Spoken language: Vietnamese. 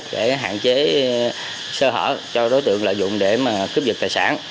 để hạn chế sơ hở cho đối tượng lợi dụng để cướp dịch tài sản